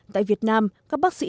tại việt nam các bác sĩ